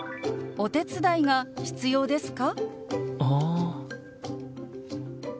お手伝いが必要ですか？